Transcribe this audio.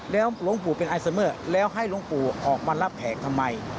แล้วหลวงปู่เป็นไอเซอร์เมอร์แล้วให้หลวงปู่ออกมารับแขกทำไม